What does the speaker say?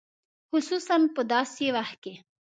خصوصاً په داسې وخت کې.